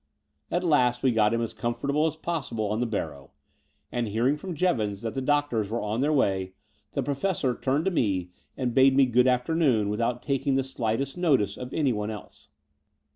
At last we got him as comfortable as possible on the barrow; and, hearing from Jevons that the doctors were on their way, the Professor turned to me and bade me good afternoon without taking the slightest notice of anyone else.